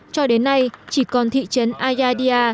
cho đến nay chỉ còn thị trấn ayadia